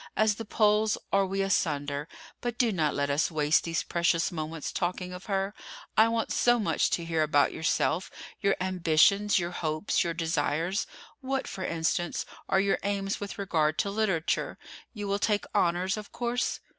As the poles are we asunder. But do not let us waste these precious moments talking of her. I want so much to hear about yourself—your ambitions, your hopes, your desires. What, for instance, are your aims with regard to literature? You will take honors, of course?"